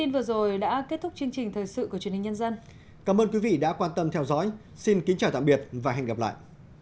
cảm ơn các em đã theo dõi và hẹn gặp lại